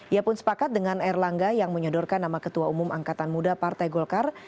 ia pun sepakat dengan erlangga yang menyodorkan nama ketua umum angkatan muda partai golkar